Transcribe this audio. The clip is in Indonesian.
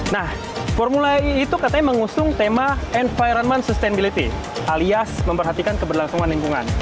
nah formula e itu katanya mengusung tema environment sustainability alias memperhatikan keberlangsungan lingkungan